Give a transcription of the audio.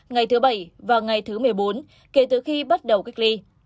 ngày thứ bảy và ngày thứ một mươi bốn kể từ khi bắt đầu cách ly